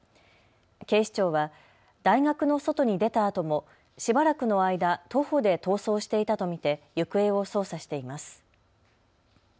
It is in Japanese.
警視庁は大学の外に出たあともしばらくの間、徒歩で逃走していたと見て行方を捜査しています。